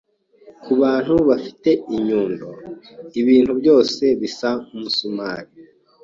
Kubantu bafite inyundo, ibintu byose bisa nkumusumari.